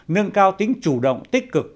nâng cao tính chủ động tích cực